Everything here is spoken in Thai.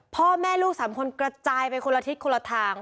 พ่อแม่ลูก๓คนกระจายไปคนละทิศคนละทาง